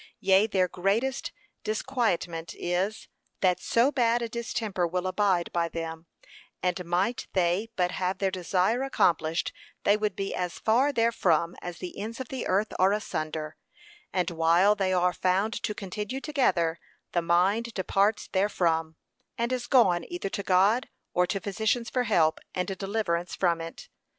Yea, their greatest disquietment is, that so bad a distemper will abide by them, and might they but have their desire accomplished, they would be as far therefrom as the ends of the earth are asunder, and while they are found to continue together, the mind departs therefrom, and is gone either to God or to physicians for help and deliverance from it.